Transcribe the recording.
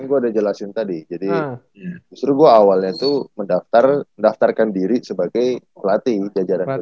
kan gue udah jelasin tadi jadi justru gue awalnya tuh mendaftar mendaftarkan diri sebagai pelatih jajaran kejayaan